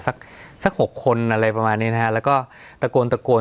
สักสักหกคนอะไรประมาณนี้นะฮะแล้วก็ตะโกนตะโกน